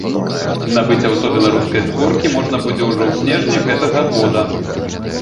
Набыць аўто беларускай зборкі можна будзе ўжо ў снежні гэтага года.